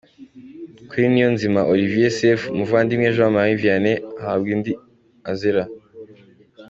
kuri Niyonzima Olivier Sefu, Muvandimwe Jean Marie Vianney ahabwa indi azira